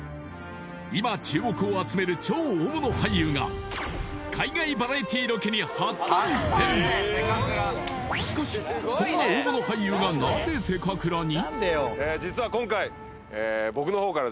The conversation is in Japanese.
今注目を集める超大物俳優が海外バラエティロケに初参戦しかしそんな大物俳優がなぜ「せかくら」に？